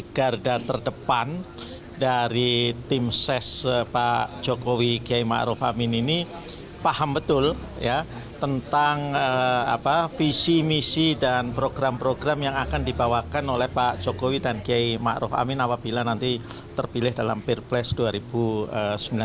kita akan menjadi garda terdepan dari tim ses pak jokowi kiai maruf amin ini paham betul ya tentang visi misi dan program program yang akan dibawakan oleh pak jokowi dan kiai maruf amin apabila nanti terpilih dalam peer place dua ribu sembilan belas